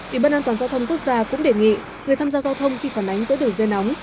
ủy ban an toàn giao thông quốc gia cũng đề nghị người tham gia giao thông khi phản ánh tới đường dây nóng